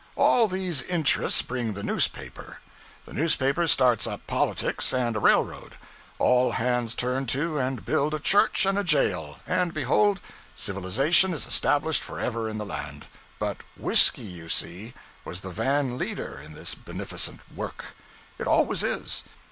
All these interests bring the newspaper; the newspaper starts up politics and a railroad; all hands turn to and build a church and a jail and behold, civilization is established for ever in the land. But whiskey, you see, was the van leader in this beneficent work. It always is.